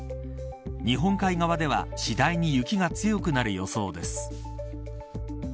日本海側では次第に雪が強くなる予想です。